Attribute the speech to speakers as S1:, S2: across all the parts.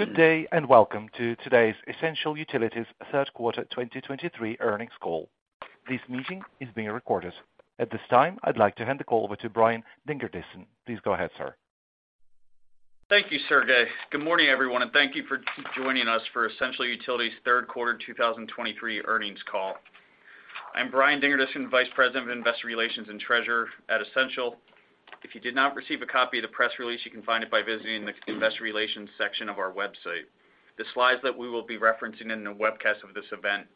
S1: Good day, and welcome to today's Essential Utilities third quarter 2023 earnings call. This meeting is being recorded. At this time, I'd like to hand the call over to Brian Dingerdissen. Please go ahead, sir.
S2: Thank you, Sergei. Good morning, everyone, and thank you for joining us for Essential Utilities' third quarter 2023 earnings call. I'm Brian Dingerdissen, Vice President of Investor Relations and Treasurer at Essential. If you did not receive a copy of the press release, you can find it by visiting the investor relations section of our website. The slides that we will be referencing in the webcast of this event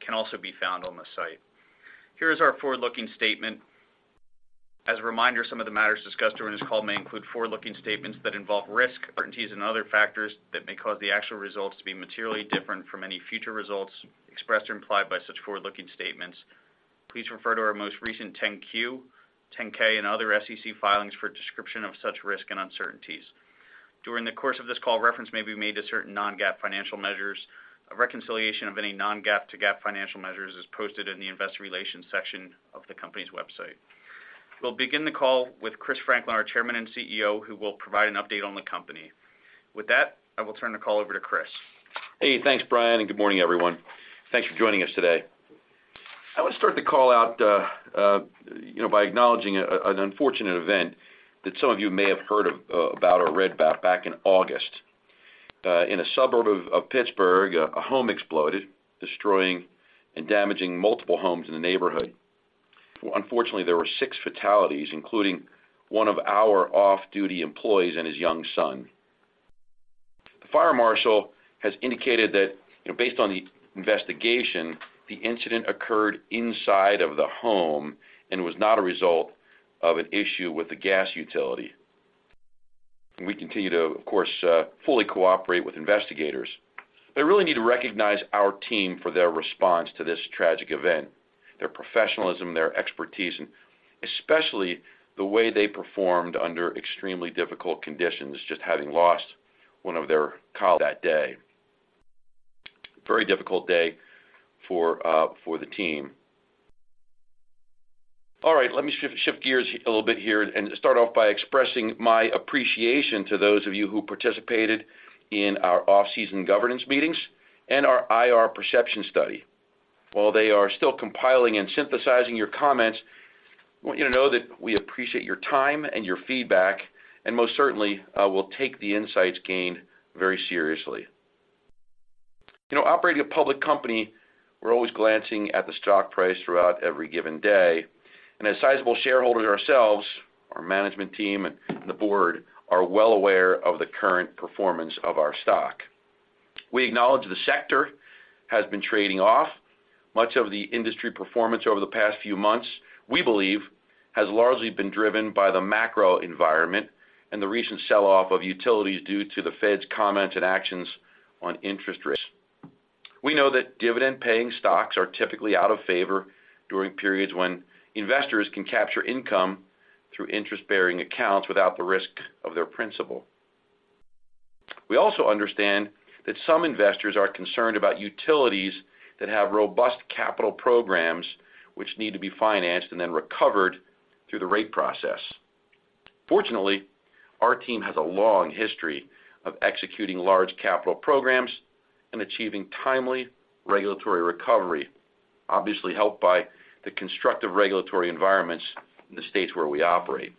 S2: can also be found on the site. Here is our forward-looking statement: As a reminder, some of the matters discussed during this call may include forward-looking statements that involve risk, uncertainties, and other factors that may cause the actual results to be materially different from any future results expressed or implied by such forward-looking statements. Please refer to our most recent 10-Q, 10-K and other SEC filings for a description of such risk and uncertainties. During the course of this call, reference may be made to certain non-GAAP financial measures. A reconciliation of any non-GAAP to GAAP financial measures is posted in the investor relations section of the company's website. We'll begin the call with Chris Franklin, our Chairman and CEO, who will provide an update on the company. With that, I will turn the call over to Chris.
S3: Hey, thanks, Brian, and good morning, everyone. Thanks for joining us today. I want to start the call out, you know, by acknowledging an unfortunate event that some of you may have heard of, about or read about back in August. In a suburb of Pittsburgh, a home exploded, destroying and damaging multiple homes in the neighborhood. Unfortunately, there were six fatalities, including one of our off-duty employees and his young son. The fire marshal has indicated that based on the investigation, the incident occurred inside of the home and was not a result of an issue with the gas utility. We continue to, of course, fully cooperate with investigators. They really need to recognize our team for their response to this tragic event, their professionalism, their expertise, and especially the way they performed under extremely difficult conditions, just having lost one of their colleagues that day. Very difficult day for the team. All right, let me shift, shift gears a little bit here and start off by expressing my appreciation to those of you who participated in our off-season governance meetings and our IR perception study. While they are still compiling and synthesizing your comments, I want you to know that we appreciate your time and your feedback, and most certainly, we'll take the insights gained very seriously. You know, operating a public company, we're always glancing at the stock price throughout every given day, and as sizable shareholders ourselves, our management team and the board are well aware of the current performance of our stock. We acknowledge the sector has been trading off. Much of the industry performance over the past few months, we believe, has largely been driven by the macro environment and the recent sell-off of utilities due to the Fed's comments and actions on interest rates. We know that dividend-paying stocks are typically out of favor during periods when investors can capture income through interest-bearing accounts without the risk of their principal. We also understand that some investors are concerned about utilities that have robust capital programs, which need to be financed and then recovered through the rate process. Fortunately, our team has a long history of executing large capital programs and achieving timely regulatory recovery, obviously helped by the constructive regulatory environments in the states where we operate.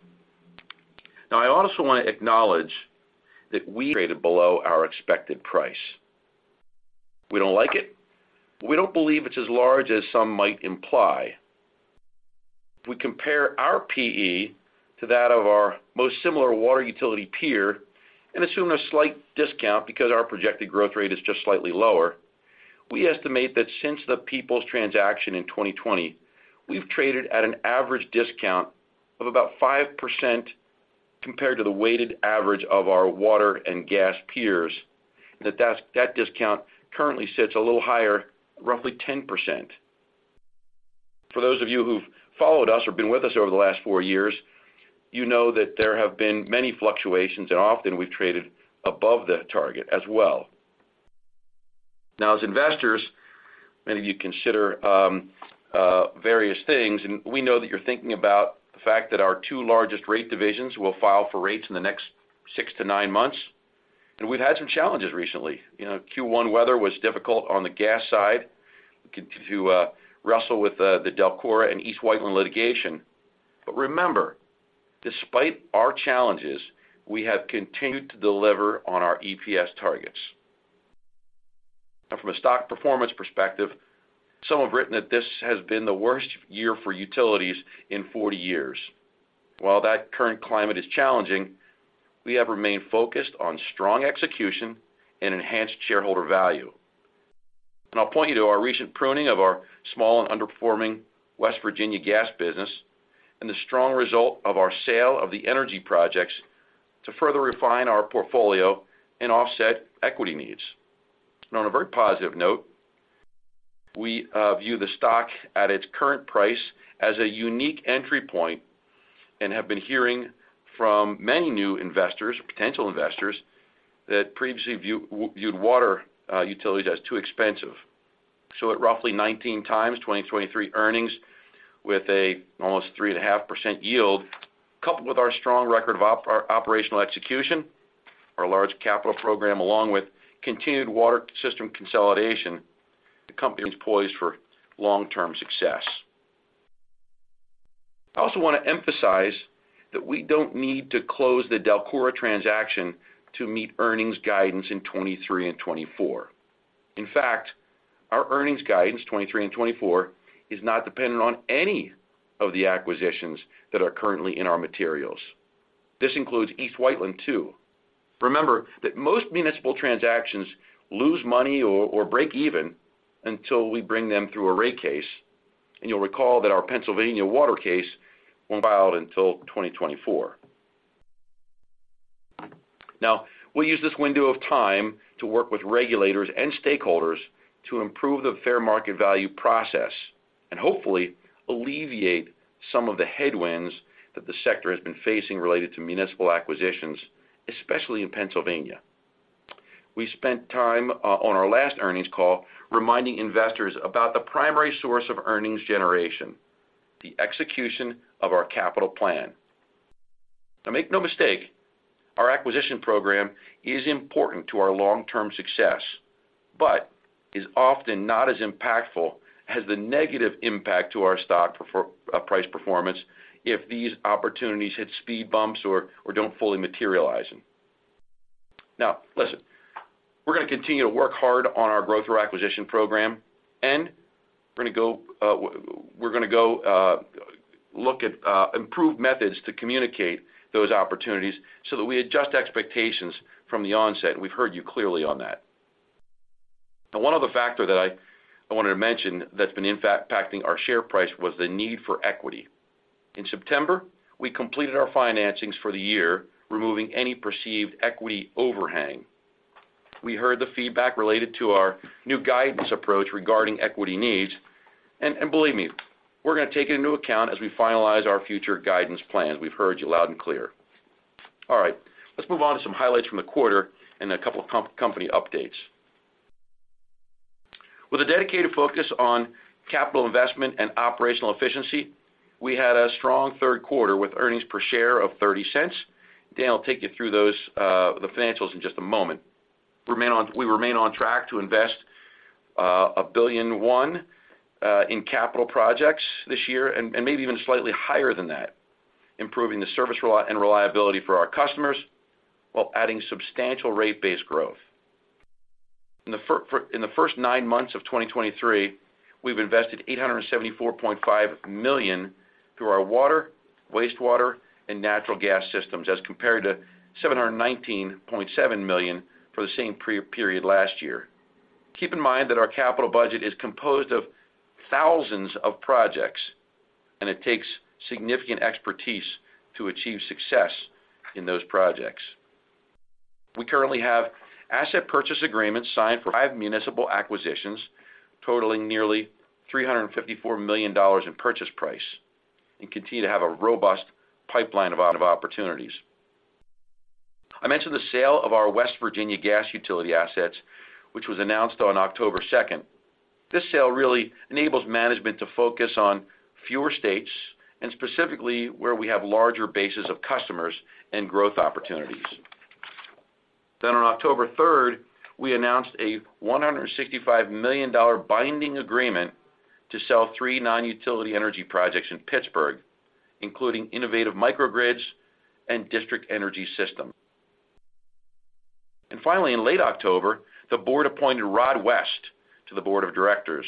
S3: Now, I also want to acknowledge that we traded below our expected price. We don't like it, but we don't believe it's as large as some might imply. If we compare our PE to that of our most similar water utility peer and assume a slight discount because our projected growth rate is just slightly lower, we estimate that since the Peoples transaction in 2020, we've traded at an average discount of about 5% compared to the weighted average of our water and gas peers, that, that discount currently sits a little higher, roughly 10%. For those of you who've followed us or been with us over the last four years, you know that there have been many fluctuations, and often we've traded above that target as well. Now, as investors, many of you consider various things, and we know that you're thinking about the fact that our two largest rate divisions will file for rates in the next six to nine months, and we've had some challenges recently. You know, Q1 weather was difficult on the gas side. We continue to wrestle with the DELCORA and East Whiteland litigation. But remember, despite our challenges, we have continued to deliver on our EPS targets. Now, from a stock performance perspective, some have written that this has been the worst year for utilities in 40 years. While that current climate is challenging, we have remained focused on strong execution and enhanced shareholder value. And I'll point you to our recent pruning of our small and underperforming West Virginia gas business and the strong result of our sale of the energy projects to further refine our portfolio and offset equity needs. On a very positive note, we view the stock at its current price as a unique entry point and have been hearing from many new investors, potential investors, that previously viewed water utilities as too expensive. So at roughly 19x 2023 earnings, with a almost 3.5% yield, coupled with our strong record of our operational execution, our large capital program, along with continued water system consolidation, the company is poised for long-term success. I also want to emphasize that we don't need to close the DELCORA transaction to meet earnings guidance in 2023 and 2024. In fact, our earnings guidance, 2023 and 2024, is not dependent on any of the acquisitions that are currently in our materials. This includes East Whiteland, too. Remember that most municipal transactions lose money or break even until we bring them through a rate case, and you'll recall that our Pennsylvania water case won't file until 2024. Now, we'll use this window of time to work with regulators and stakeholders to improve the Fair Market Value process and hopefully alleviate some of the headwinds that the sector has been facing related to municipal acquisitions, especially in Pennsylvania. We spent time on our last earnings call reminding investors about the primary source of earnings generation, the execution of our capital plan. Now, make no mistake, our acquisition program is important to our long-term success, but is often not as impactful as the negative impact to our stock performance if these opportunities hit speed bumps or don't fully materialize them. Now, listen, we're gonna continue to work hard on our growth or acquisition program, and we're gonna go look at improved methods to communicate those opportunities so that we adjust expectations from the onset. We've heard you clearly on that. Now, one other factor that I wanted to mention that's been impacting our share price was the need for equity. In September, we completed our financings for the year, removing any perceived equity overhang. We heard the feedback related to our new guidance approach regarding equity needs, and believe me, we're gonna take it into account as we finalize our future guidance plans. We've heard you loud and clear. All right, let's move on to some highlights from the quarter and a couple of company updates. With a dedicated focus on capital investment and operational efficiency, we had a strong third quarter with earnings per share of $0.30. Dan will take you through those, the financials in just a moment. We remain on track to invest $1.1 billion in capital projects this year, and maybe even slightly higher than that, improving the service and reliability for our customers, while adding substantial rate-based growth. In the first nine months of 2023, we've invested $874.5 million through our water, wastewater, and natural gas systems, as compared to $719.7 million for the same period last year. Keep in mind that our capital budget is composed of thousands of projects, and it takes significant expertise to achieve success in those projects. We currently have asset purchase agreements signed for five municipal acquisitions, totaling nearly $354 million in purchase price, and continue to have a robust pipeline of opportunities. I mentioned the sale of our West Virginia gas utility assets, which was announced on October 2nd. This sale really enables management to focus on fewer states and specifically, where we have larger bases of customers and growth opportunities. Then on October third, we announced a $165 million binding agreement to sell three non-utility energy projects in Pittsburgh, including innovative microgrids and district energy system. And finally, in late October, the board appointed Rod West to the board of directors.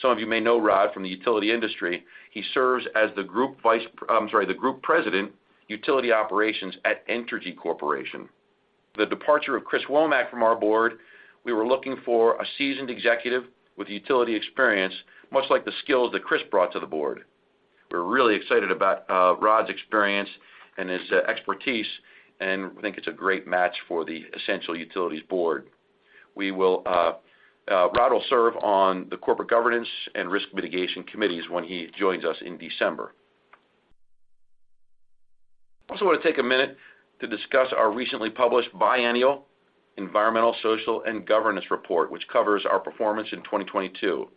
S3: Some of you may know Rod from the utility industry. He serves as the Group President, Utility Operations at Entergy Corporation. The departure of Chris Womack from our board, we were looking for a seasoned executive with utility experience, much like the skills that Chris brought to the board. We're really excited about Rod's experience and his expertise, and we think it's a great match for the Essential Utilities board. We will, Rod will serve on the corporate governance and risk mitigation committees when he joins us in December. I also want to take a minute to discuss our recently published Biennial Environmental, Social, and Governance Report, which covers our performance in 2022.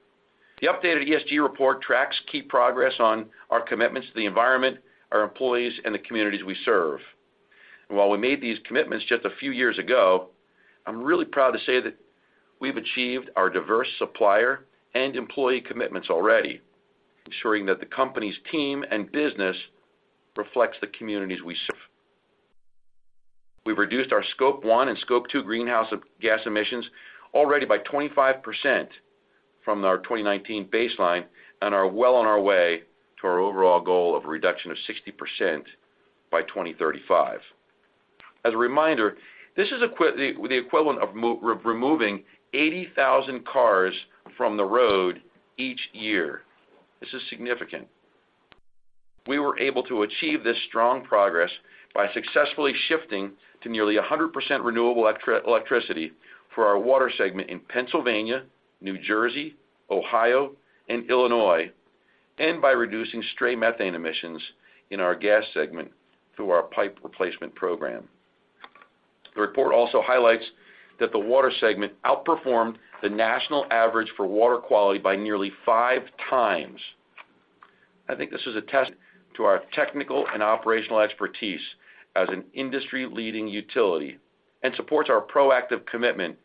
S3: The updated ESG report tracks key progress on our commitments to the environment, our employees, and the communities we serve. While we made these commitments just a few years ago, I'm really proud to say that we've achieved our diverse supplier and employee commitments already, ensuring that the company's team and business reflects the communities we serve. We've reduced our Scope 1 and Scope 2 greenhouse gas emissions already by 25% from our 2019 baseline and are well on our way to our overall goal of a reduction of 60% by 2035. As a reminder, this is the equivalent of removing 80,000 cars from the road each year. This is significant. We were able to achieve this strong progress by successfully shifting to nearly 100% renewable electricity for our water segment in Pennsylvania, New Jersey, Ohio, and Illinois, and by reducing stray methane emissions in our gas segment through our pipe replacement program. The report also highlights that the water segment outperformed the national average for water quality by nearly 5x. I think this is a testament to our technical and operational expertise as an industry-leading utility, and supports our proactive commitment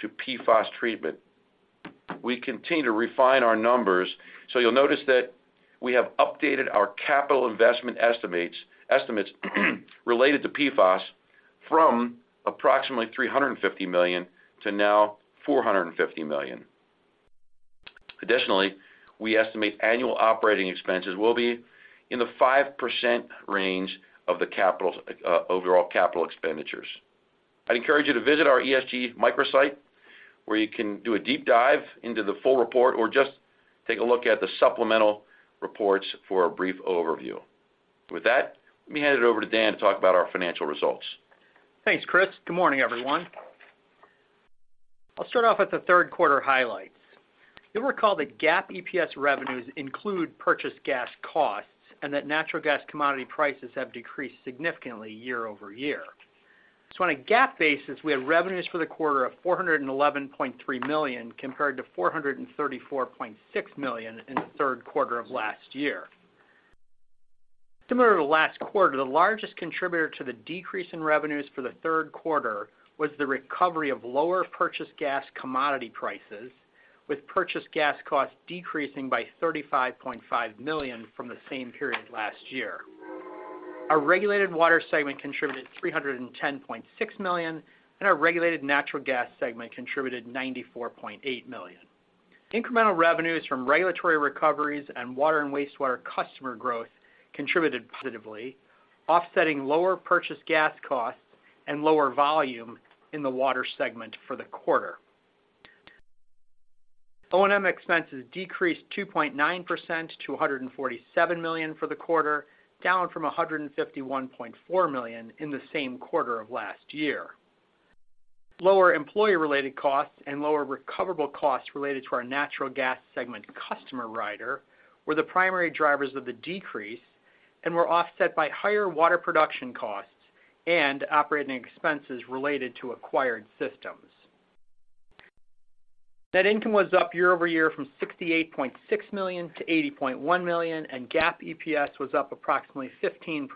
S3: to PFAS treatment. We continue to refine our numbers, so you'll notice that we have updated our capital investment estimates related to PFAS from approximately $350 million to now $450 million. Additionally, we estimate annual operating expenses will be in the 5% range of the overall capital expenditures. I'd encourage you to visit our ESG microsite, where you can do a deep dive into the full report or just take a look at the supplemental reports for a brief overview. With that, let me hand it over to Dan to talk about our financial results.
S4: Thanks, Chris. Good morning, everyone. I'll start off with the third quarter highlights. You'll recall that GAAP EPS revenues include purchased gas costs and that natural gas commodity prices have decreased significantly year-over-year. So on a GAAP basis, we had revenues for the quarter of $411.3 million, compared to $434.6 million in the third quarter of last year. Similar to last quarter, the largest contributor to the decrease in revenues for the third quarter was the recovery of lower purchased gas commodity prices, with purchased gas costs decreasing by $35.5 million from the same period last year. Our regulated water segment contributed $310.6 million, and our regulated natural gas segment contributed $94.8 million. Incremental revenues from regulatory recoveries and water and wastewater customer growth contributed positively, offsetting lower purchased gas costs and lower volume in the water segment for the quarter. O&M expenses decreased 2.9% to $147 million for the quarter, down from $151.4 million in the same quarter of last year. Lower employee-related costs and lower recoverable costs related to our natural gas segment customer rider were the primary drivers of the decrease, and were offset by higher water production costs and operating expenses related to acquired systems. Net income was up year-over-year from $68.6 million to $80.1 million, and GAAP EPS was up approximately 15%,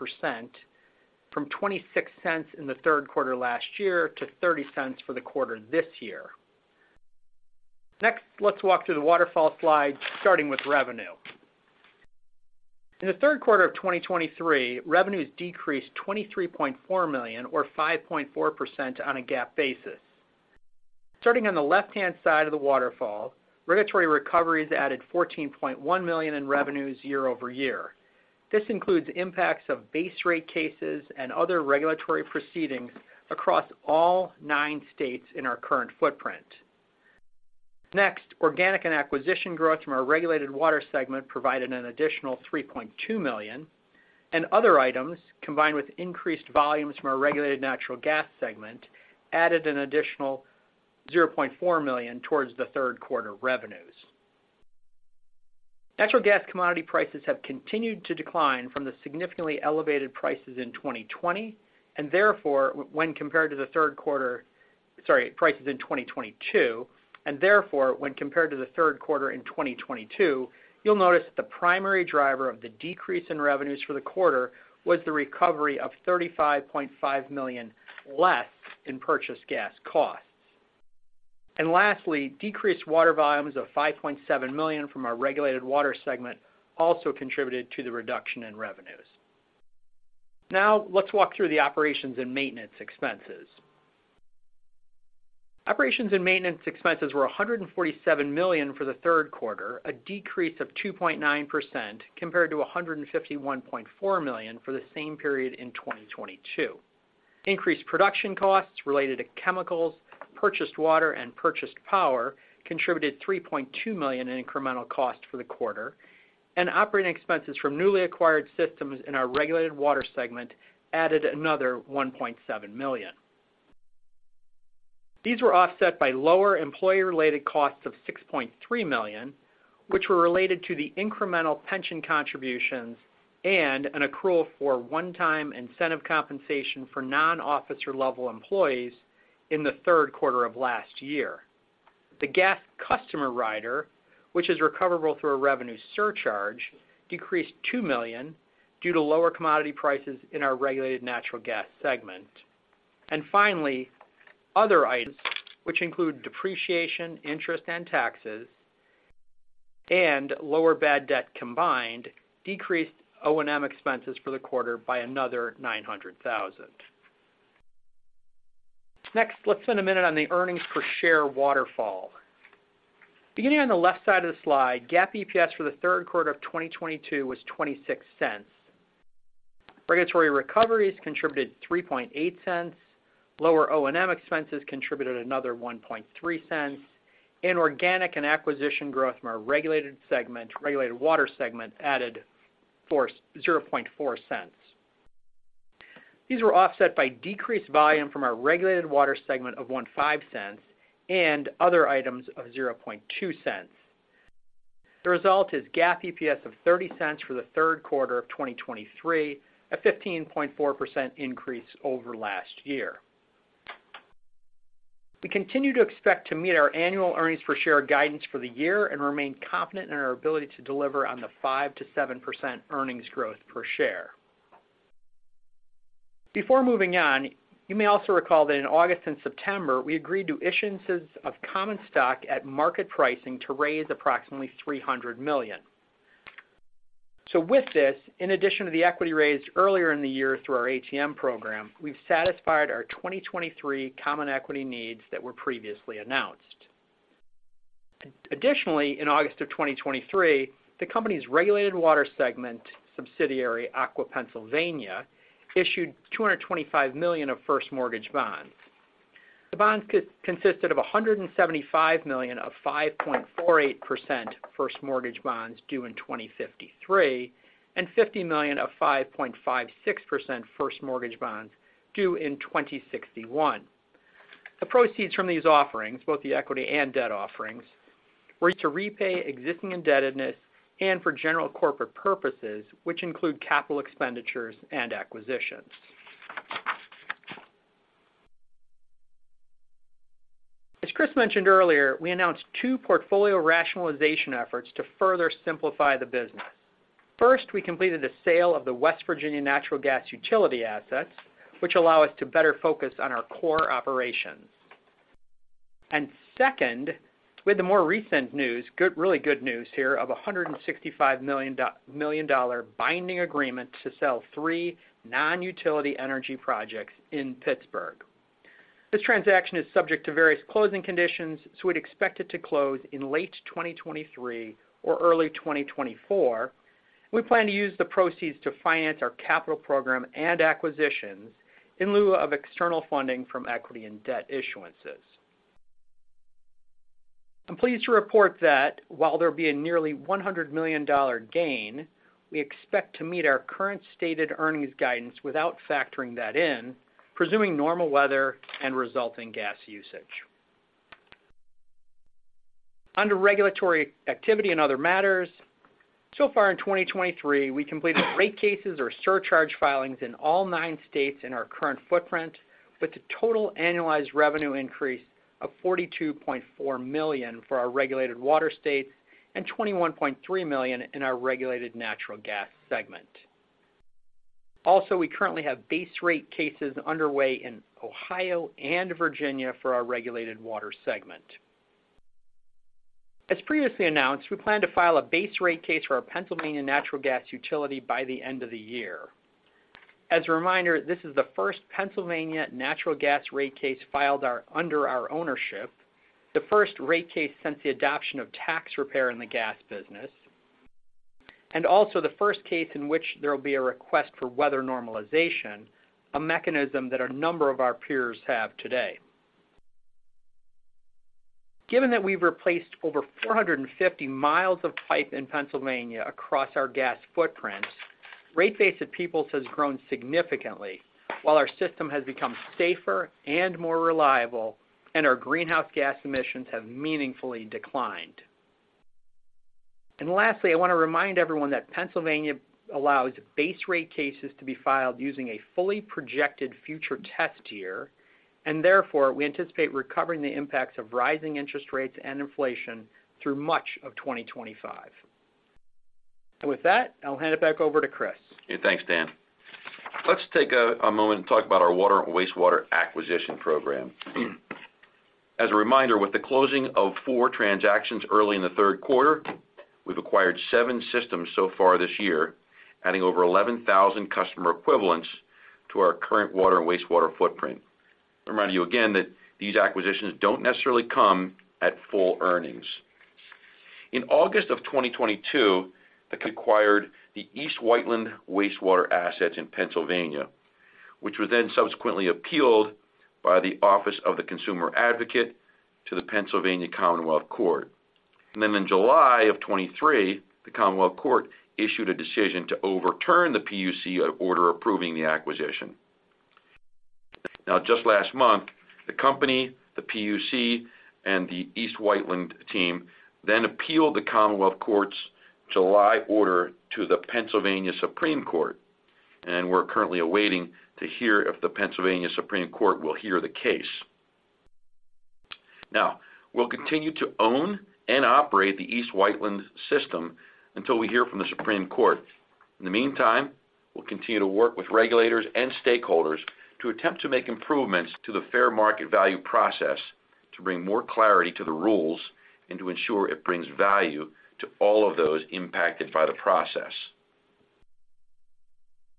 S4: from $0.26 in the third quarter last year to $0.30 for the quarter this year. Next, let's walk through the waterfall slide, starting with revenue. In the third quarter of 2023, revenues decreased $23.4 million or 5.4% on a GAAP basis. Starting on the left-hand side of the waterfall, regulatory recoveries added $14.1 million in revenues year-over-year. This includes impacts of base rate cases and other regulatory proceedings across all nine states in our current footprint. Next, organic and acquisition growth from our regulated water segment provided an additional $3.2 million, and other items, combined with increased volumes from our regulated natural gas segment, added an additional $0.4 million towards the third quarter revenues. Natural gas commodity prices have continued to decline from the significantly elevated prices in 2020, and therefore, when compared to the third quarter—sorry, prices in 2022, and therefore, when compared to the third quarter in 2022, you'll notice that the primary driver of the decrease in revenues for the quarter was the recovery of $35.5 million less in purchased gas costs. And lastly, decreased water volumes of $5.7 million from our regulated water segment also contributed to the reduction in revenues. Now, let's walk through the operations and maintenance expenses. Operations and maintenance expenses were $147 million for the third quarter, a decrease of 2.9% compared to $151.4 million for the same period in 2022. Increased production costs related to chemicals, purchased water, and purchased power contributed $3.2 million in incremental costs for the quarter, and operating expenses from newly acquired systems in our regulated water segment added another $1.7 million. These were offset by lower employee-related costs of $6.3 million, which were related to the incremental pension contributions and an accrual for one-time incentive compensation for non-officer-level employees in the third quarter of last year. The gas customer rider, which is recoverable through a revenue surcharge, decreased $2 million due to lower commodity prices in our regulated natural gas segment. And finally, other items, which include depreciation, interest, and taxes, and lower bad debt combined, decreased O&M expenses for the quarter by another $900,000. Next, let's spend a minute on the earnings per share waterfall. Beginning on the left side of the slide, GAAP EPS for the third quarter of 2022 was $0.26. Regulatory recoveries contributed $0.038, lower O&M expenses contributed another $0.013, and organic and acquisition growth from our regulated segment, regulated water segment, added $0.004. These were offset by decreased volume from our regulated water segment of $0.15 and other items of $0.002....The result is GAAP EPS of $0.30 for the third quarter of 2023, a 15.4% increase over last year. We continue to expect to meet our annual earnings per share guidance for the year and remain confident in our ability to deliver on the 5%-7% earnings growth per share. Before moving on, you may also recall that in August and September, we agreed to issuances of common stock at market pricing to raise approximately $300 million. So with this, in addition to the equity raised earlier in the year through our ATM program, we've satisfied our 2023 common equity needs that were previously announced. Additionally, in August of 2023, the company's regulated water segment subsidiary, Aqua Pennsylvania, issued $225 million of first mortgage bonds. The bonds consisted of $175 million of 5.48% first mortgage bonds due in 2053, and $50 million of 5.56% first mortgage bonds due in 2061. The proceeds from these offerings, both the equity and debt offerings, were to repay existing indebtedness and for general corporate purposes, which include capital expenditures and acquisitions. As Chris mentioned earlier, we announced two portfolio rationalization efforts to further simplify the business. First, we completed the sale of the West Virginia Natural Gas Utility assets, which allow us to better focus on our core operations. Second, with the more recent news, good—really good news here, of a $165 million binding agreement to sell three non-utility energy projects in Pittsburgh. This transaction is subject to various closing conditions, so we'd expect it to close in late 2023 or early 2024. We plan to use the proceeds to finance our capital program and acquisitions in lieu of external funding from equity and debt issuances. I'm pleased to report that while there'll be a nearly $100 million gain, we expect to meet our current stated earnings guidance without factoring that in, presuming normal weather and resulting gas usage. Under regulatory activity and other matters, so far in 2023, we completed rate cases or surcharge filings in all 9 states in our current footprint, with a total annualized revenue increase of $42.4 million for our regulated water states and $21.3 million in our regulated natural gas segment. Also, we currently have base rate cases underway in Ohio and Virginia for our regulated water segment. As previously announced, we plan to file a base rate case for our Pennsylvania Natural Gas Utility by the end of the year. As a reminder, this is the first Pennsylvania natural gas rate case filed under our ownership, the first rate case since the adoption of tax repair in the gas business, and also the first case in which there will be a request for weather normalization, a mechanism that a number of our peers have today. Given that we've replaced over 450 mi of pipe in Pennsylvania across our gas footprint, rate base at Peoples has grown significantly, while our system has become safer and more reliable, and our greenhouse gas emissions have meaningfully declined. And lastly, I want to remind everyone that Pennsylvania allows base rate cases to be filed using a fully projected future test year, and therefore, we anticipate recovering the impacts of rising interest rates and inflation through much of 2025. And with that, I'll hand it back over to Chris.
S3: Thanks, Dan. Let's take a moment and talk about our water and wastewater acquisition program. As a reminder, with the closing of four transactions early in the third quarter, we've acquired seven systems so far this year, adding over 11,000 customer equivalents to our current water and wastewater footprint. I remind you again that these acquisitions don't necessarily come at full earnings. In August of 2022, we acquired the East Whiteland wastewater assets in Pennsylvania, which were then subsequently appealed by the Office of the Consumer Advocate to the Pennsylvania Commonwealth Court. And then in July of 2023, the Commonwealth Court issued a decision to overturn the PUC order approving the acquisition. Now, just last month, the company, the PUC, and the East Whiteland team then appealed the Commonwealth Court's July order to the Pennsylvania Supreme Court, and we're currently awaiting to hear if the Pennsylvania Supreme Court will hear the case. Now, we'll continue to own and operate the East Whiteland system until we hear from the Supreme Court. In the meantime, we'll continue to work with regulators and stakeholders to attempt to make improvements to the Fair Market Value process, to bring more clarity to the rules, and to ensure it brings value to all of those impacted by the process.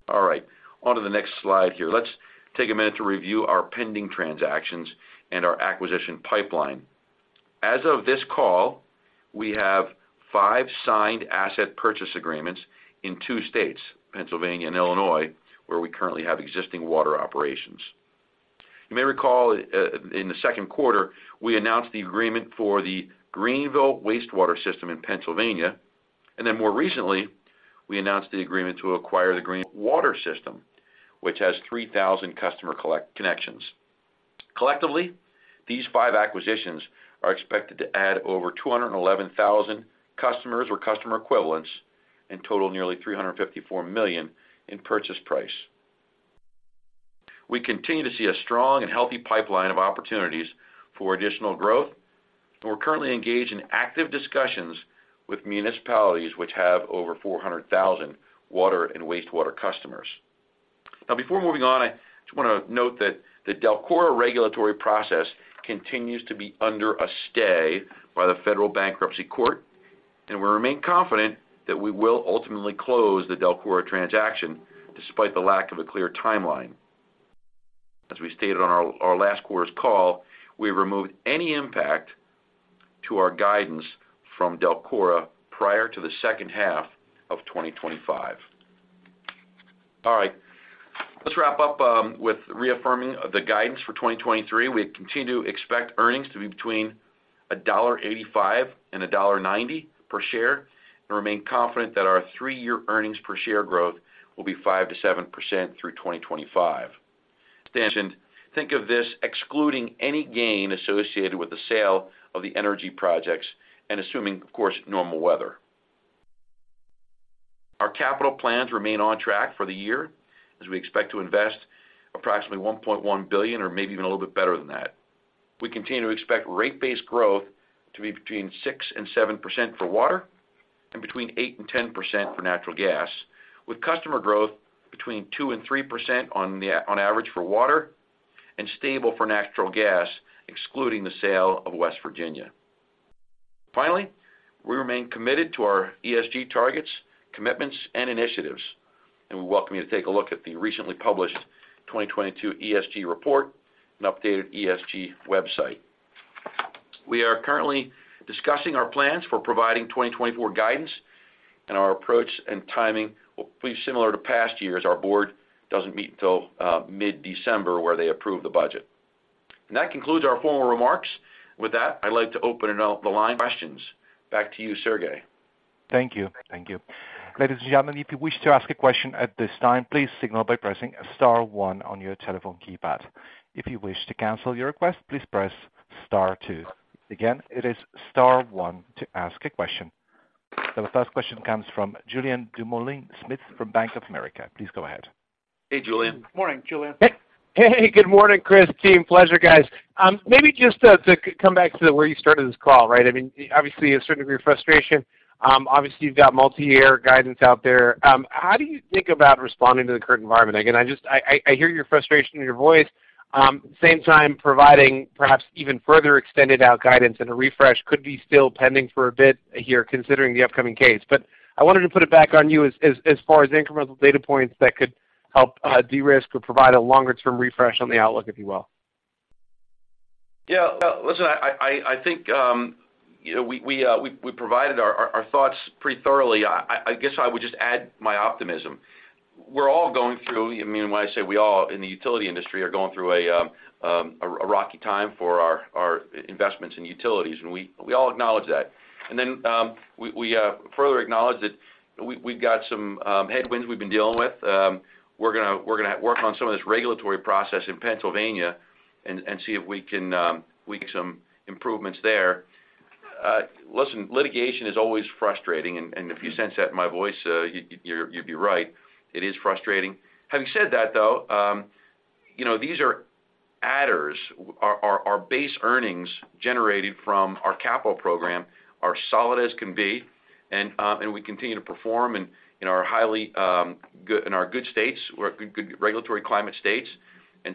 S3: All right, on to the next slide here. Let's take a minute to review our pending transactions and our acquisition pipeline. As of this call, we have five signed asset purchase agreements in two states, Pennsylvania and Illinois, where we currently have existing water operations. You may recall, in the second quarter, we announced the agreement for the Greenville Wastewater System in Pennsylvania, and then more recently, we announced the agreement to acquire the Greenville Water System, which has 3,000 customer connections. Collectively, these five acquisitions are expected to add over 211,000 customers or customer equivalents, and total nearly $354 million in purchase price. We continue to see a strong and healthy pipeline of opportunities for additional growth, and we're currently engaged in active discussions with municipalities which have over 400,000 water and wastewater customers. Now, before moving on, I just wanna note that the DELCORA regulatory process continues to be under a stay by the Federal Bankruptcy Court, and we remain confident that we will ultimately close the DELCORA transaction despite the lack of a clear timeline. As we stated on our, our last quarter's call, we removed any impact to our guidance from DELCORA prior to the second half of 2025. All right. Let's wrap up with reaffirming the guidance for 2023. We continue to expect earnings to be between $1.85 and $1.90 per share, and remain confident that our three-year earnings per share growth will be 5%-7% through 2025. Think of this excluding any gain associated with the sale of the energy projects and assuming, of course, normal weather. Our capital plans remain on track for the year as we expect to invest approximately $1.1 billion or maybe even a little bit better than that. We continue to expect rate-based growth to be between 6%-7% for water and between 8%-10% for natural gas, with customer growth between 2%-3% on average for water and stable for natural gas, excluding the sale of West Virginia. Finally, we remain committed to our ESG targets, commitments, and initiatives, and we welcome you to take a look at the recently published 2022 ESG report, an updated ESG website. We are currently discussing our plans for providing 2024 guidance, and our approach and timing will be similar to past years. Our board doesn't meet until mid-December, where they approve the budget. That concludes our formal remarks. With that, I'd like to open it up the line questions. Back to you, Sergey.
S1: Thank you. Thank you. Ladies and gentlemen, if you wish to ask a question at this time, please signal by pressing star one on your telephone keypad. If you wish to cancel your request, please press star two. Again, it is star one to ask a question. So the first question comes from Julien Dumoulin-Smith from Bank of America. Please go ahead.
S3: Hey, Julien.
S4: Morning, Julien.
S5: Hey, good morning, Chris, team. Pleasure, guys. Maybe just to come back to where you started this call, right? I mean, obviously, a certain degree of frustration. Obviously, you've got multi-year guidance out there. How do you think about responding to the current environment? Again, I just hear your frustration in your voice, same time, providing perhaps even further extended out guidance and a refresh could be still pending for a bit here, considering the upcoming case. But I wanted to put it back on you as far as incremental data points that could help de-risk or provide a longer-term refresh on the outlook, if you will.
S3: Yeah. Well, listen, I think, you know, we provided our thoughts pretty thoroughly. I guess I would just add my optimism. We're all going through. I mean, when I say we all in the utility industry are going through a rocky time for our investments in utilities, and we all acknowledge that. And then, we further acknowledge that we've got some headwinds we've been dealing with. We're gonna work on some of this regulatory process in Pennsylvania and see if we can get some improvements there. Listen, litigation is always frustrating, and if you sense that in my voice, you'd be right. It is frustrating. Having said that, though, you know, these are adders. Our base earnings generated from our capital program are solid as can be, and we continue to perform in our good states, or good regulatory climate states.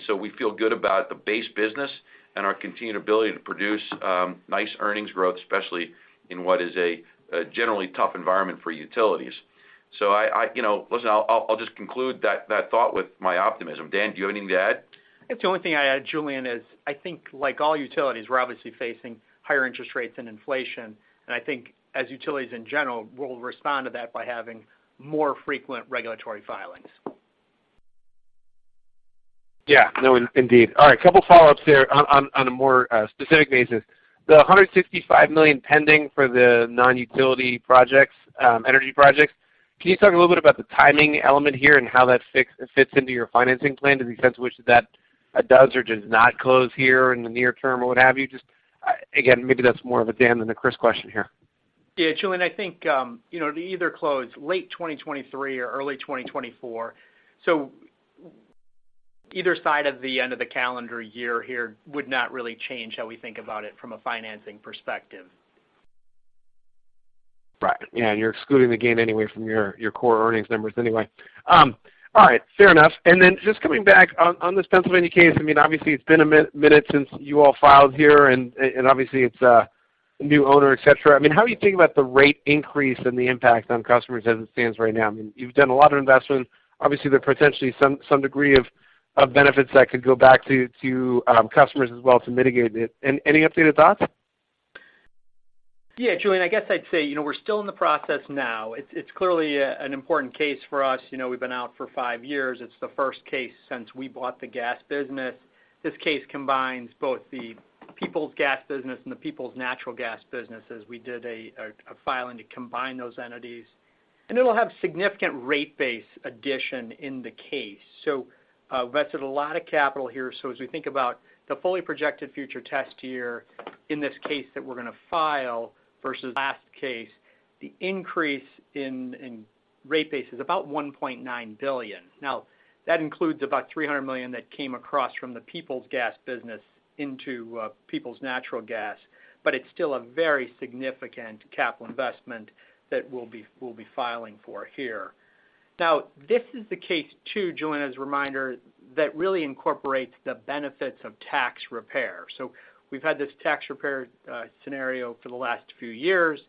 S3: So we feel good about the base business and our continued ability to produce nice earnings growth, especially in what is a generally tough environment for utilities. So I, you know, listen, I'll just conclude that thought with my optimism. Dan, do you have anything to add?
S4: I think the only thing I add, Julien, is I think, like all utilities, we're obviously facing higher interest rates than inflation, and I think as utilities in general, we'll respond to that by having more frequent regulatory filings.
S5: Yeah. No, indeed. All right, a couple follow-ups there on a more specific basis. The $165 million pending for the non-utility projects, energy projects, can you talk a little bit about the timing element here and how that fits into your financing plan to the extent to which that does or does not close here in the near term or what have you? Just, again, maybe that's more of a Dan than a Chris question here.
S4: Yeah, Julien, I think, you know, it'll either close late 2023 or early 2024. So either side of the end of the calendar year here would not really change how we think about it from a financing perspective.
S5: Right. Yeah, and you're excluding the gain anyway from your, your core earnings numbers anyway. All right, fair enough. And then just coming back on, on this Pennsylvania case, I mean, obviously it's been a minute since you all filed here, and, and obviously, it's a new owner, et cetera. I mean, how are you thinking about the rate increase and the impact on customers as it stands right now? I mean, you've done a lot of investment. Obviously, there's potentially some degree of benefits that could go back to customers as well to mitigate it. Any updated thoughts?
S4: Yeah, Julien, I guess I'd say, you know, we're still in the process now. It's clearly an important case for us. You know, we've been out for five years. It's the first case since we bought the gas business. This case combines both the Peoples gas business and the Peoples Natural Gas businesses. We did a filing to combine those entities. It'll have significant rate base addition in the case. So we've invested a lot of capital here. So as we think about the fully projected future test year in this case that we're going to file versus last case, the increase in rate base is about $1.9 billion. Now, that includes about $300 million that came across from the Peoples Gas business into Peoples Natural Gas, but it's still a very significant capital investment that we'll be filing for here. Now, this is the case, too, Julian, as a reminder, that really incorporates the benefits of tax repair. So we've had this tax repair scenario for the last few years.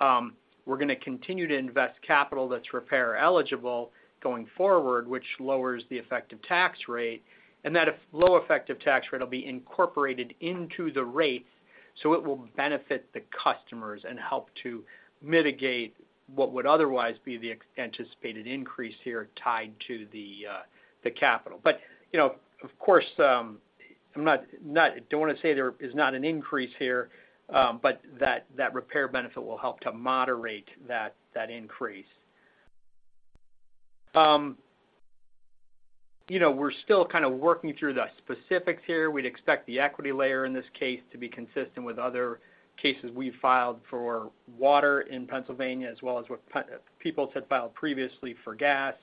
S4: We're going to continue to invest capital that's repair-eligible going forward, which lowers the effective tax rate, and that low effective tax rate will be incorporated into the rates, so it will benefit the customers and help to mitigate what would otherwise be the anticipated increase here tied to the capital. But, you know, of course, I'm not, don't want to say there is not an increase here, but that repair benefit will help to moderate that increase. You know, we're still kind of working through the specifics here. We'd expect the equity layer in this case to be consistent with other cases we've filed for water in Pennsylvania, as well as what Peoples had filed previously for gas.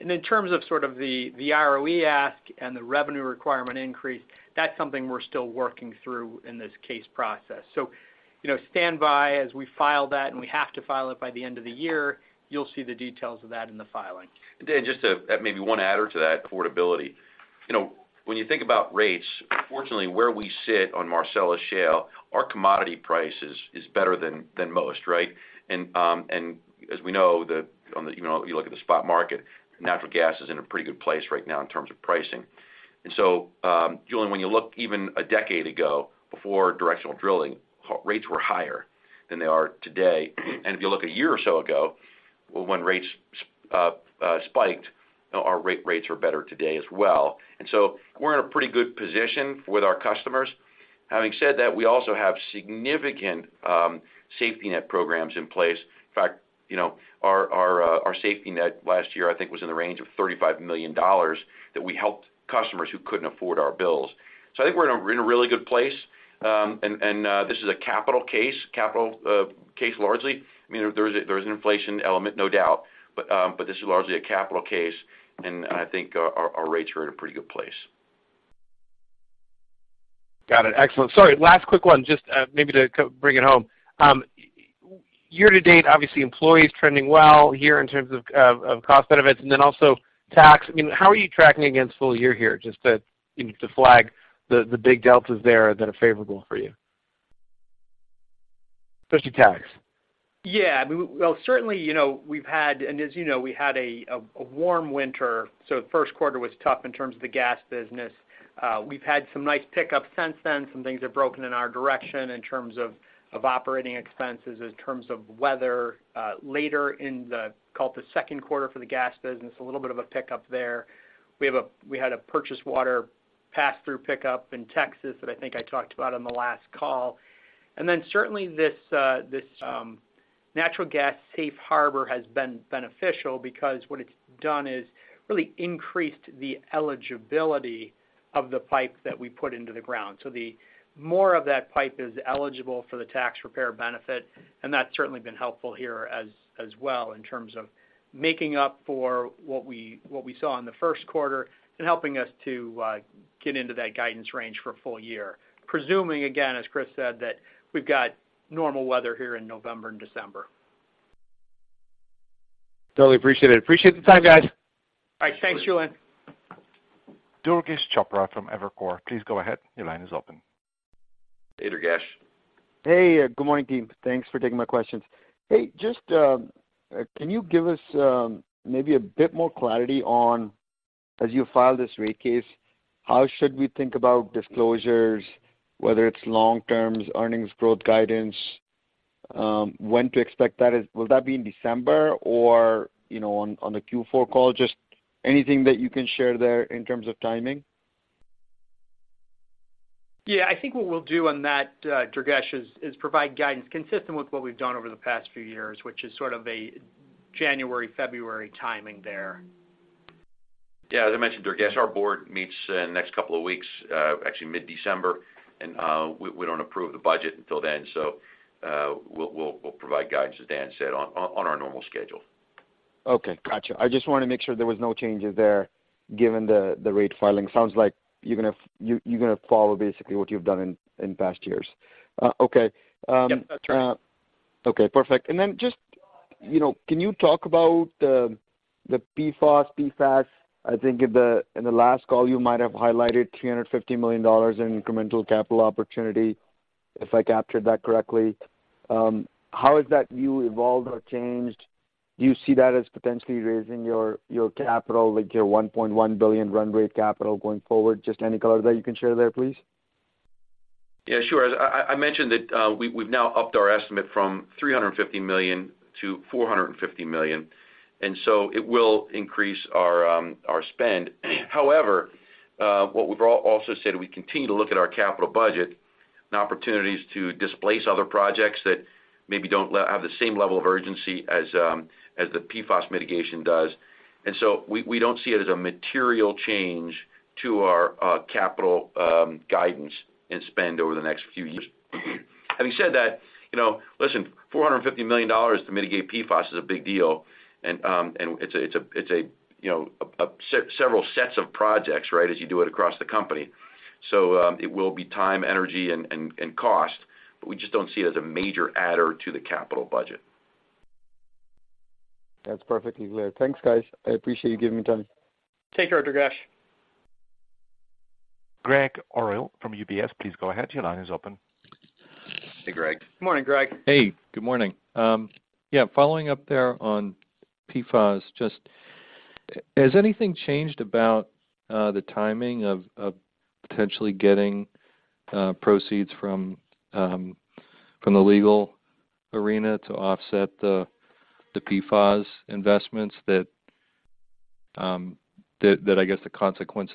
S4: And in terms of sort of the ROE ask and the revenue requirement increase, that's something we're still working through in this case process. So, you know, stand by as we file that, and we have to file it by the end of the year. You'll see the details of that in the filing.
S3: And Dan, just to maybe one adder to that, affordability. You know, when you think about rates, fortunately, where we sit on Marcellus Shale, our commodity price is, is better than, than most, right? And, and as we know, the, on the, you know, you look at the spot market, natural gas is in a pretty good place right now in terms of pricing. And so, Julian, when you look even a decade ago, before directional drilling, rates were higher than they are today. And if you look a year or so ago, when rates, spiked, our rates are better today as well. And so we're in a pretty good position with our customers. Having said that, we also have significant, safety net programs in place. In fact, you know, our safety net last year, I think, was in the range of $35 million that we helped customers who couldn't afford our bills. So I think we're in a really good place. And this is a capital case, largely. I mean, there is an inflation element, no doubt, but this is largely a capital case, and I think our rates are in a pretty good place.
S5: Got it. Excellent. Sorry, last quick one, just maybe to bring it home. Year to date, obviously, expenses trending well here in terms of cost benefits, and then also tax. I mean, how are you tracking against full year here? Just to, you know, to flag the big deltas there that are favorable for you, especially tax.
S4: Yeah, well, certainly, you know, we've had—and as you know, we had a warm winter, so the first quarter was tough in terms of the gas business. We've had some nice pick up since then. Some things have broken in our direction in terms of of operating expenses, in terms of weather, later in the—call it the second quarter for the gas business, a little bit of a pickup there. We had a purchase water pass-through pickup in Texas that I think I talked about on the last call. And then certainly this natural gas safe harbor has been beneficial because what it's done is really increased the eligibility of the pipe that we put into the ground. So the more of that pipe is eligible for the tax repair benefit, and that's certainly been helpful here as well, in terms of making up for what we saw in the first quarter and helping us to get into that guidance range for full year. Presuming, again, as Chris said, that we've got normal weather here in November and December.
S5: Totally appreciate it. Appreciate the time, guys.
S4: All right. Thanks, Julien.
S1: Durgesh Chopra from Evercore, please go ahead. Your line is open.
S3: Hey, Durgesh.
S6: Hey, good morning, team. Thanks for taking my questions. Hey, just can you give us maybe a bit more clarity on, as you file this rate case, how should we think about disclosures, whether it's long term earnings growth guidance, when to expect that? Will that be in December or, you know, on the Q4 call? Just anything that you can share there in terms of timing.
S4: Yeah, I think what we'll do on that, Durgesh, is provide guidance consistent with what we've done over the past few years, which is sort of a January, February timing there.
S3: Yeah, as I mentioned, Durgesh, our board meets in the next couple of weeks, actually mid-December, and we don't approve the budget until then. So, we'll provide guidance, as Dan said, on our normal schedule.
S6: Okay, got you. I just wanted to make sure there was no changes there, given the rate filing. Sounds like you're going to follow basically what you've done in past years. Okay.
S4: Yep, that's right.
S6: Okay, perfect. And then just, you know, can you talk about the PFAS, PFAS? I think in the last call, you might have highlighted $350 million in incremental capital opportunity, if I captured that correctly. How has that view evolved or changed? Do you see that as potentially raising your capital, like, your $1.1 billion run rate capital going forward? Just any color that you can share there, please.
S3: Yeah, sure. I mentioned that we've now upped our estimate from $350 million to $450 million, and so it will increase our spend. However, what we've also said, we continue to look at our capital budget and opportunities to displace other projects that maybe don't have the same level of urgency as the PFAS mitigation does. And so we don't see it as a material change to our capital guidance and spend over the next few years. Having said that, you know, listen, $450 million to mitigate PFAS is a big deal, and it's a, it's a, it's a, you know, several sets of projects, right, as you do it across the company. It will be time, energy, and cost, but we just don't see it as a major adder to the capital budget.
S6: That's perfectly clear. Thanks, guys. I appreciate you giving me time.
S4: Take care, Durgesh.
S1: Gregg Orrill from UBS, please go ahead. Your line is open.
S3: Hey, Gregg.
S4: Good morning, Gregg.
S7: Hey, good morning. Yeah, following up there on PFAS, just, has anything changed about the timing of potentially getting proceeds from the legal arena to offset the PFAS investments that I guess, the consequence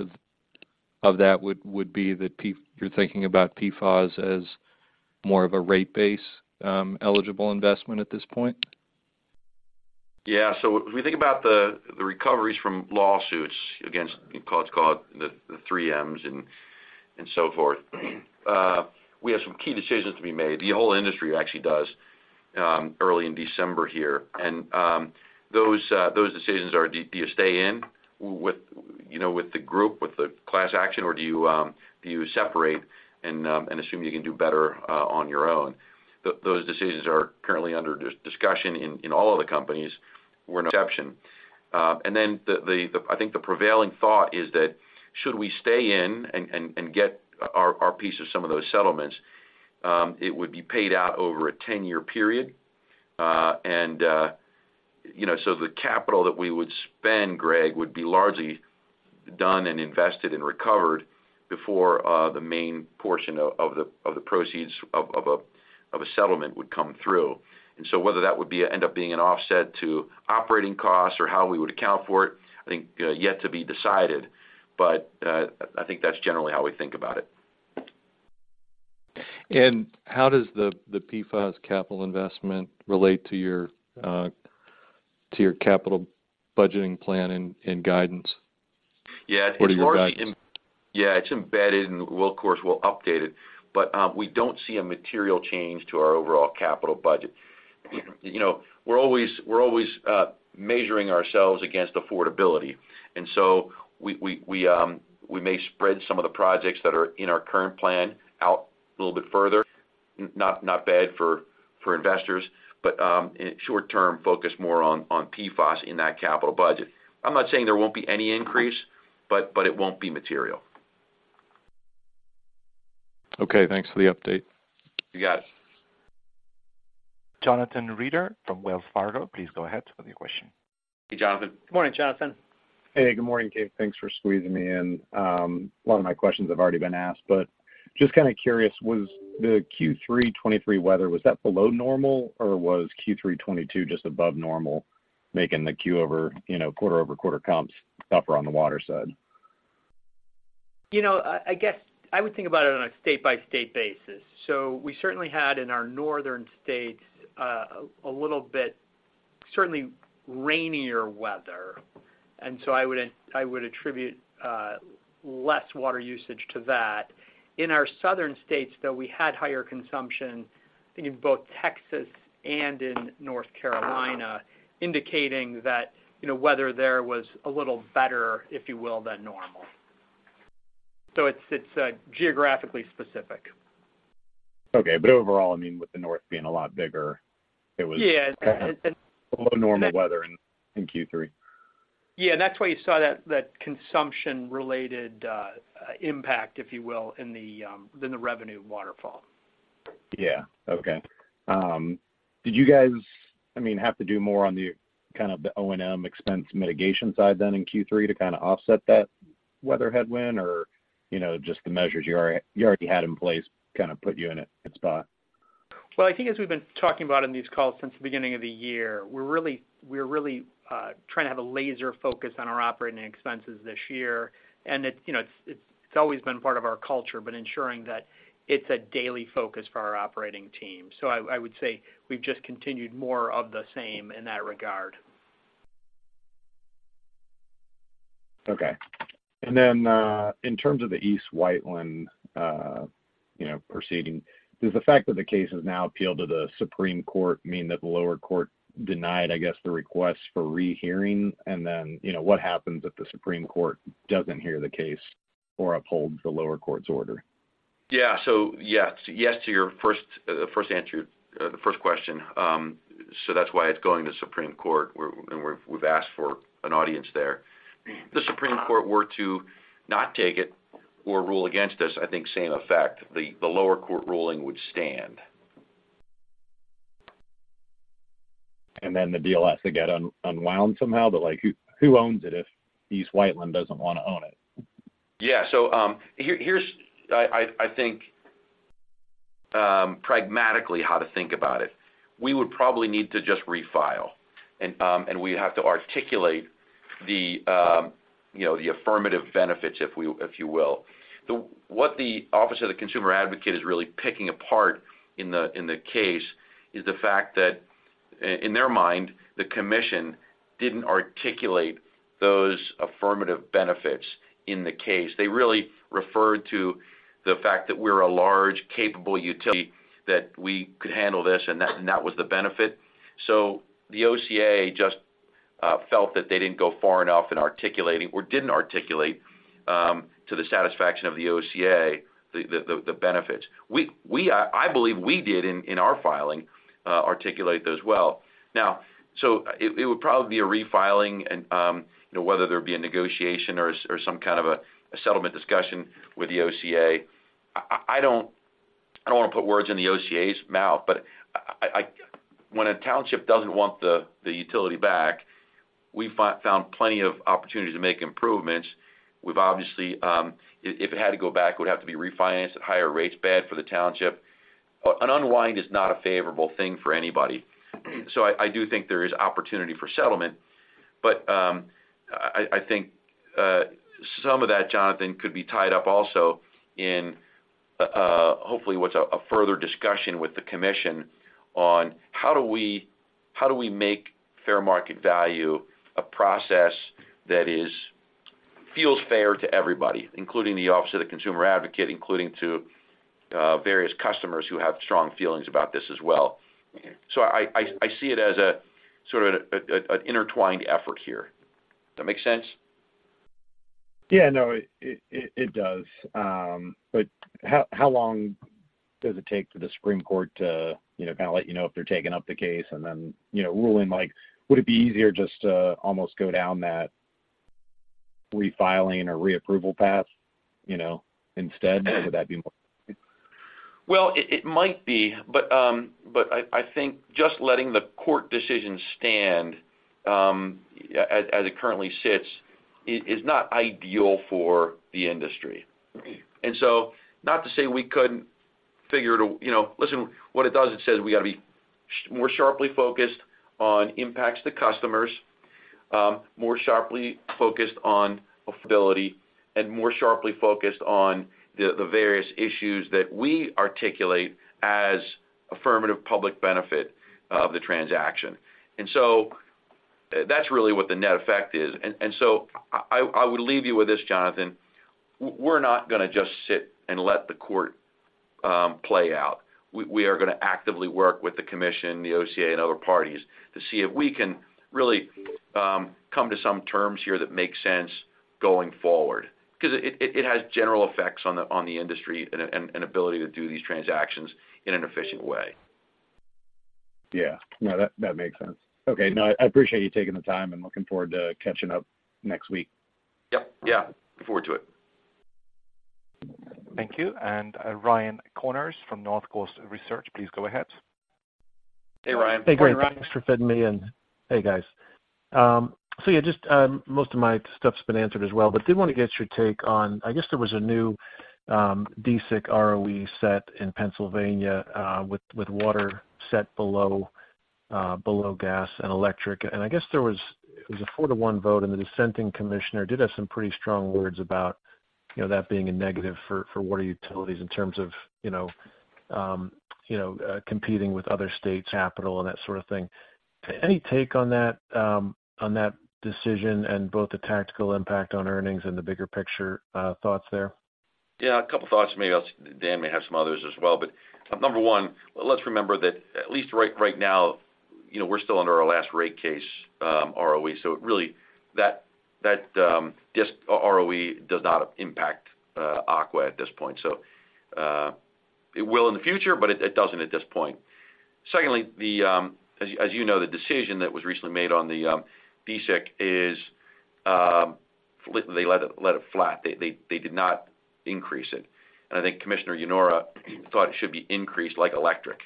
S7: of that would be that you're thinking about PFAS as more of a rate base eligible investment at this point?
S3: Yeah. So if we think about the recoveries from lawsuits against what's called the 3M and so forth, we have some key decisions to be made. The whole industry actually does early in December here. Those decisions are, do you stay in with you know with the group with the class action or do you separate and assume you can do better on your own? Those decisions are currently under discussion in all of the companies. We're an exception. And then I think the prevailing thought is that should we stay in and get our piece of some of those settlements, it would be paid out over a 10-year period. And, you know, so the capital that we would spend, Gregg, would be largely done and invested and recovered before the main portion of, of the, of the proceeds of, of a, of a settlement would come through. And so whether that would be end up being an offset to operating costs or how we would account for it, I think, yet to be decided, but I think that's generally how we think about it.
S7: How does the PFAS capital investment relate to your capital budgeting plan and guidance?
S3: Yeah-
S7: What are your guys-
S3: Yeah, it's embedded, and we'll, of course, we'll update it. But, we don't see a material change to our overall capital budget. You know, we're always measuring ourselves against affordability, and so we may spread some of the projects that are in our current plan out a little bit further. Not bad for investors, but in short term, focus more on PFAS in that capital budget. I'm not saying there won't be any increase, but it won't be material.
S7: Okay, thanks for the update.
S3: You got it.
S1: Jonathan Reeder from Wells Fargo, please go ahead with your question.
S3: Hey, Jonathan.
S4: Good morning, Jonathan.
S8: Hey, good morning, Chris. Thanks for squeezing me in. A lot of my questions have already been asked, but just kind of curious, was the Q3 2023 weather, was that below normal, or was Q3 2022 just above normal, making the Q over, you know, quarter-over-quarter comps tougher on the water side?
S4: You know, I, I guess I would think about it on a state-by-state basis. So we certainly had in our northern states a little bit, certainly rainier weather, and so I would attribute less water usage to that. In our southern states, though, we had higher consumption in both Texas and in North Carolina, indicating that, you know, weather there was a little better, if you will, than normal. So it's, it's geographically specific.
S8: Okay. But overall, I mean, with the North being a lot bigger, it was-
S4: Yeah.
S8: Below normal weather in Q3.
S4: Yeah, that's why you saw that consumption-related impact, if you will, in the revenue waterfall.
S8: Yeah. Okay. Did you guys, I mean, have to do more on the kind of the O&M expense mitigation side than in Q3 to kind of offset that weather headwind, or, you know, just the measures you already, you already had in place kind of put you in a good spot?
S4: Well, I think as we've been talking about in these calls since the beginning of the year, we're really, we're really, trying to have a laser focus on our operating expenses this year. And it's, you know, it's, it's always been part of our culture, but ensuring that it's a daily focus for our operating team. So I, I would say we've just continued more of the same in that regard.
S8: Okay. And then, in terms of the East Whiteland, you know, proceeding, does the fact that the case is now appealed to the Supreme Court mean that the lower court denied, I guess, the request for rehearing? And then, you know, what happens if the Supreme Court doesn't hear the case or upholds the lower court's order?
S3: Yeah. So, yeah, yes, to your first answer, the first question. So that's why it's going to Supreme Court, where, and we've asked for an audience there. If the Supreme Court were to not take it or rule against us, I think same effect, the lower court ruling would stand.
S8: And then the deal will get unwound somehow, but, like, who, who owns it if East Whiteland doesn't want to own it?
S3: Yeah. So, here's I think pragmatically how to think about it. We would probably need to just refile, and we have to articulate the, you know, the affirmative benefits, if we, if you will. What the Office of Consumer Advocate is really picking apart in the case is the fact that in their mind, the commission didn't articulate those affirmative benefits in the case. They really referred to the fact that we're a large, capable utility, that we could handle this, and that was the benefit. So the OCA just felt that they didn't go far enough in articulating or didn't articulate to the satisfaction of the OCA the benefits. We, I believe we did in our filing articulate those well. Now, so it would probably be a refiling and, you know, whether there'd be a negotiation or some kind of a settlement discussion with the OCA. I don't want to put words in the OCA's mouth, but I—when a township doesn't want the utility back, we found plenty of opportunities to make improvements. We've obviously, if it had to go back, it would have to be refinanced at higher rates, bad for the township. An unwind is not a favorable thing for anybody. So I do think there is opportunity for settlement. But, I think, some of that, Jonathan, could be tied up also in, hopefully, what's a further discussion with the commission on how do we make Fair Market Value a process that feels fair to everybody, including the Office of the Consumer Advocate, including to various customers who have strong feelings about this as well? So I see it as a sort of an intertwined effort here. Does that make sense?
S8: Yeah, no, it does. But how long does it take for the Supreme Court to, you know, kind of let you know if they're taking up the case and then, you know, ruling, like, would it be easier just to almost go down that refiling or reapproval path, you know, instead? Would that be more...?
S3: Well, it might be, but I think just letting the court decision stand, as it currently sits, is not ideal for the industry. And so not to say we couldn't figure it, you know, listen, what it does, it says we got to be more sharply focused on impacts to customers, more sharply focused on affordability, and more sharply focused on the various issues that we articulate as affirmative public benefit of the transaction. And so that's really what the net effect is. And so I would leave you with this, Jonathan. We're not going to just sit and let the court play out. We are going to actively work with the commission, the OCA and other parties to see if we can really come to some terms here that make sense going forward. 'Cause it has general effects on the industry and ability to do these transactions in an efficient way.
S8: Yeah. No, that, that makes sense. Okay, no, I appreciate you taking the time and looking forward to catching up next week.
S3: Yep, yeah. Look forward to it.
S1: Thank you. And, Ryan Connors from North Coast Research, please go ahead.
S3: Hey, Ryan.
S9: Hey, great. Thanks for fitting me in. Hey, guys. So yeah, just, most of my stuff's been answered as well, but did want to get your take on, I guess there was a new, DSIC ROE set in Pennsylvania, with, with water set below, below gas and electric. And I guess there was, it was a four-to-one vote, and the dissenting commissioner did have some pretty strong words about, you know, that being a negative for, for water utilities in terms of, you know, you know, competing with other states' capital and that sort of thing. Any take on that, on that decision and both the tactical impact on earnings and the bigger picture, thoughts there?
S3: Yeah, a couple thoughts. Maybe I'll, Dan may have some others as well. But number one, let's remember that at least right, right now, you know, we're still under our last rate case, ROE, so it really, that, that, this ROE does not impact, Aqua at this point. So, it will in the future, but it, it doesn't at this point. Secondly, the, as you, as you know, the decision that was recently made on the, DSIC is, they let it flat. They did not increase it. And I think Commissioner Yanora thought it should be increased like electric,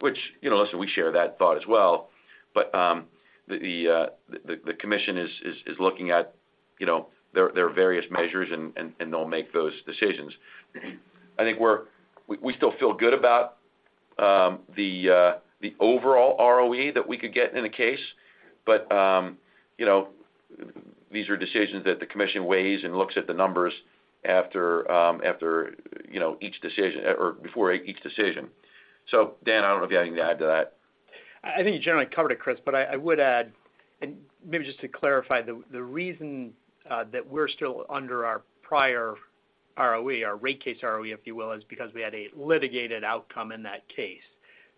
S3: which, you know, listen, we share that thought as well. But, the commission is looking at, you know, their various measures, and they'll make those decisions. I think we're still feel good about the overall ROE that we could get in a case. But you know, these are decisions that the commission weighs and looks at the numbers after after you know, each decision or before each decision. So Dan, I don't know if you have anything to add to that.
S4: I think you generally covered it, Chris, but I would add, and maybe just to clarify, the reason that we're still under our prior ROE, our rate case ROE, if you will, is because we had a litigated outcome in that case.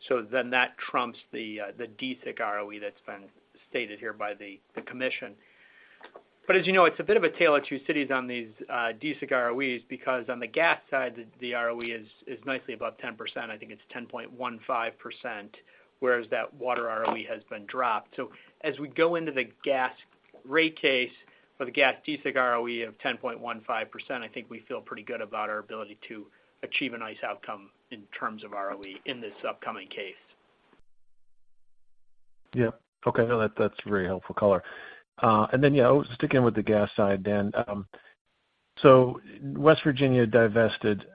S4: So then that trumps the DSIC ROE that's been stated here by the commission. But as you know, it's a bit of a tale of two cities on these DSIC ROEs, because on the gas side, the ROE is nicely above 10%. I think it's 10.15%, whereas that water ROE has been dropped. So as we go into the gas rate case for the gas DSIC ROE of 10.15%, I think we feel pretty good about our ability to achieve a nice outcome in terms of ROE in this upcoming case.
S9: Yeah. Okay, no, that, that's a very helpful color. And then, yeah, sticking with the gas side, Dan. So West Virginia divested.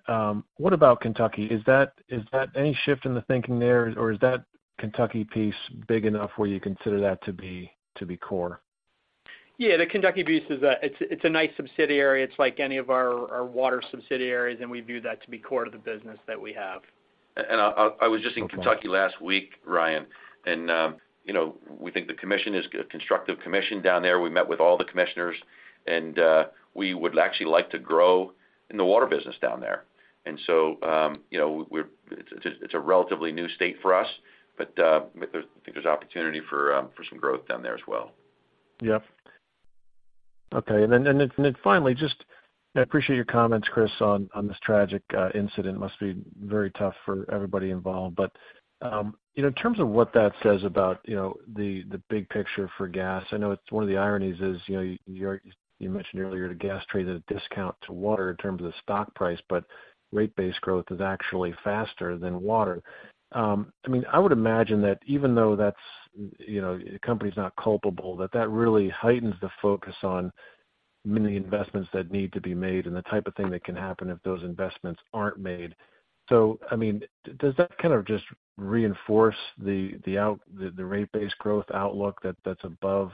S9: What about Kentucky? Is that, is that any shift in the thinking there, or is that Kentucky piece big enough where you consider that to be, to be core?
S4: Yeah, the Kentucky piece is a nice subsidiary. It's like any of our water subsidiaries, and we view that to be core to the business that we have.
S3: I was just in Kentucky last week, Ryan, and you know, we think the commission is a constructive commission down there. We met with all the commissioners, and we would actually like to grow in the water business down there. So, you know, it's a relatively new state for us, but there's opportunity for some growth down there as well.
S9: Yep. Okay. And then finally, just I appreciate your comments, Chris, on this tragic incident. Must be very tough for everybody involved. But you know, in terms of what that says about you know, the big picture for gas, I know it's one of the ironies is, you know, you mentioned earlier, the gas traded at a discount to water in terms of the stock price, but rate-based growth is actually faster than water. I mean, I would imagine that even though that's you know, the company's not culpable, that really heightens the focus on many investments that need to be made and the type of thing that can happen if those investments aren't made. So I mean, does that kind of just reinforce the rate-based growth outlook that's above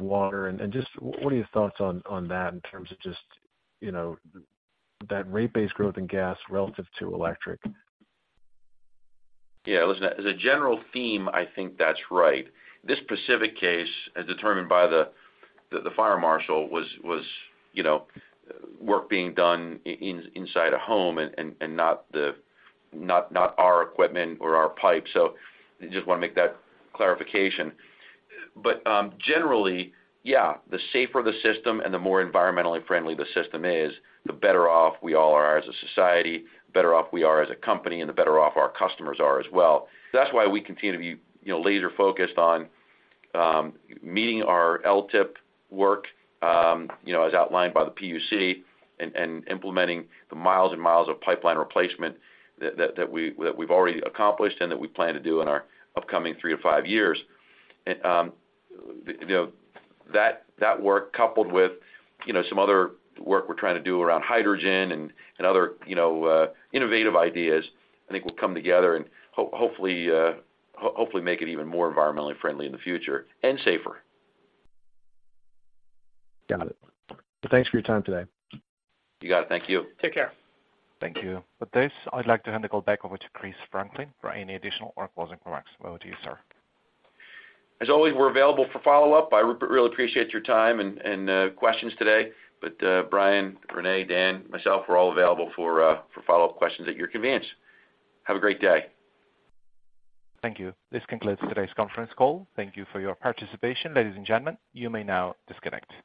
S9: water? Just what are your thoughts on that in terms of just, you know, that rate base growth in gas relative to electric?
S3: Yeah, listen, as a general theme, I think that's right. This specific case, as determined by the fire marshal, was work being done inside a home and not our equipment or our pipes. So just want to make that clarification. But generally, yeah, the safer the system and the more environmentally friendly the system is, the better off we all are as a society, better off we are as a company, and the better off our customers are as well. That's why we continue to be, you know, laser-focused on meeting our LTIIP work, you know, as outlined by the PUC, and implementing the miles and miles of pipeline replacement that we've already accomplished and that we plan to do in our upcoming three to five years. You know, that work, coupled with, you know, some other work we're trying to do around hydrogen and other, you know, innovative ideas, I think will come together and hopefully make it even more environmentally friendly in the future, and safer.
S9: Got it. Thanks for your time today.
S3: You got it. Thank you.
S4: Take care.
S1: Thank you. With this, I'd like to hand the call back over to Chris Franklin for any additional or closing remarks. Over to you, sir.
S3: As always, we're available for follow-up. I really appreciate your time and questions today. But, Brian, Renee, Dan, myself, we're all available for follow-up questions at your convenience. Have a great day.
S1: Thank you. This concludes today's conference call. Thank you for your participation. Ladies and gentlemen, you may now disconnect.